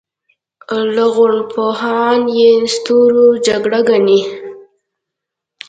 لرغونپوهان یې ستورو جګړه ګڼي